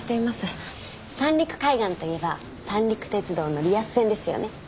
三陸海岸といえば三陸鉄道のリアス線ですよね。